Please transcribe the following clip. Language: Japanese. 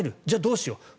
じゃあどうしよう。